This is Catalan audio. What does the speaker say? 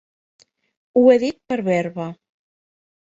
Ho he dit per verba.